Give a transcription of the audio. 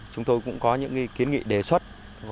chúng tôi cũng có những kiến nghị đề xuất